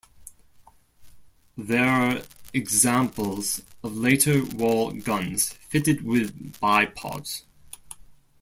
There are examples of later wall guns fitted with bipods.